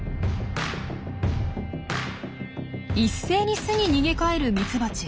一斉に巣に逃げ帰るミツバチ。